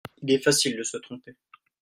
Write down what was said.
Il est facile de se tromper.